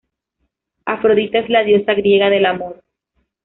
Afrodita es la diosa griega del amor.